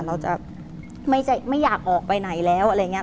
เราจะไม่อยากออกไปไหนแล้วอะไรอย่างนี้